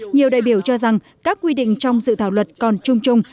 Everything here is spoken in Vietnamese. nhiều đại biểu cho rằng các quy định trong dự thảo luật còn chung chung